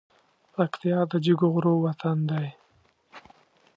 پکتيا د جګو غرو وطن دی